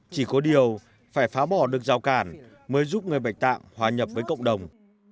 chỉ có điều phải phá bỏ được rào cản mới giúp người bạch tạng hòa nhập với cộng đồng